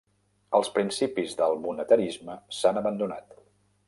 Els principis del monetarisme s'han abandonat.